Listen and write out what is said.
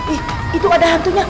eh itu ada hantunya